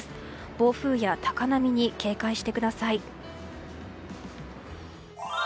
暴風や高波に警戒してください。